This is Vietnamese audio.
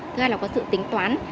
thứ hai là có sự tính toán